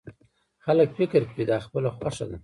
خلک فکر کوي دا خپله خوښه ده.